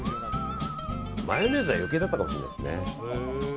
マヨネーズは余計だったかもしれないですね。